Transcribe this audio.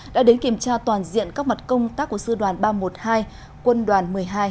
đã đến kiểm tra toàn diện các mặt công tác của sư đoàn ba trăm một mươi hai quân đoàn một mươi hai